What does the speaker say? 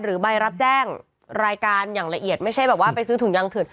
ใบรับแจ้งรายการอย่างละเอียดไม่ใช่แบบว่าไปซื้อถุงยางเถื่อ